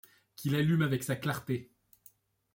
Qu'il allume avec sa clarté